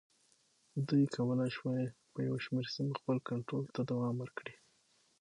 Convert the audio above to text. دوی کولای شوای په یو شمېر سیمو خپل کنټرول ته دوام ورکړي.